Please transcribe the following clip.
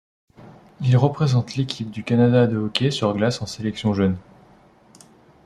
Il représente l'Équipe du Canada de hockey sur glace en sélections jeunes.